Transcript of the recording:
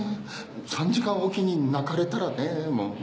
３時間おきに泣かれたらねぇ。